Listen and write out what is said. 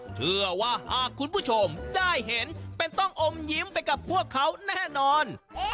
เชื่อว่าหากคุณผู้ชมได้เห็นเป็นต้องอมยิ้มไปกับพวกเขาแน่นอน